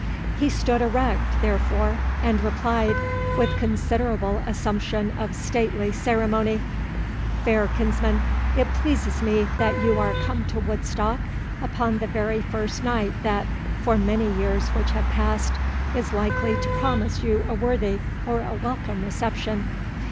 He stood erect, therefore, and replied, with considerable assumption of stately ceremony: "Fair kinsman, it pleases me that you are come to Woodstock upon the very first night that, for many years which have passed, is likely to promise you a worthy or a welcome reception."